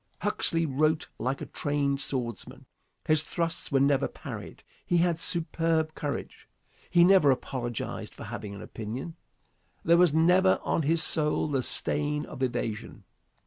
Huxley wrote like a trained swordsman. His thrusts were never parried. He had superb courage. He never apologized for having an opinion. There was never on his soul the stain of evasion.